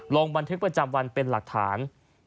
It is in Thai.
ลงบันทึกประจำวันเป็นหลักฐาน